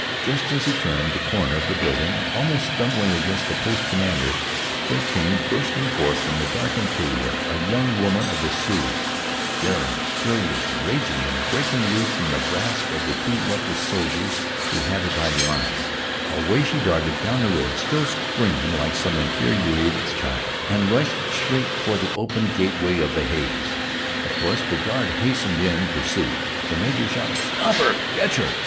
Just as he turned the corner of the building, almost stumbling against the post commander, there came bursting forth from the dark interior a young woman of the Sioux, daring, furious, raging, and, breaking loose from the grasp of the two luckless soldiers who had her by the arms, away she darted down the road, still screaming like some infuriated child, and rushed straight for the open gateway of the Hays. Of course the guard hastened in pursuit, the major shouting "Stop her! Catch her!"